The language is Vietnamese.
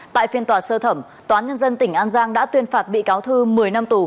tại phiên tòa sơ thẩm tòa án nhân dân tỉnh an giang đã tuyên phạt bị cáo thư một mươi năm tù